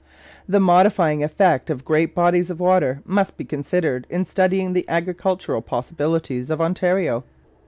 The modifying effect of great bodies of water must be considered in studying the agricultural possibilities of Ontario.